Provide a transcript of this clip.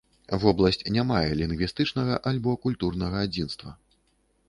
Вобласць не мае лінгвістычнага альбо культурнага адзінства.